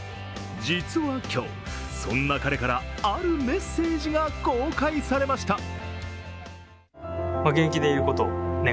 実は今日、そんな彼から、あるメッセージが公開されました。